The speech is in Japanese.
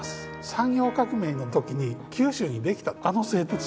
産業革命の時に九州にできたあの製鉄所です。